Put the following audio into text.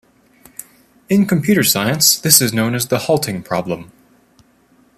In computer science this is known as the halting problem.